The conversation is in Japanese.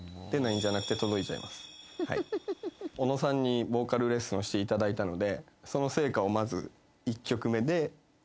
小野さんにボーカルレッスンをしていただいたので。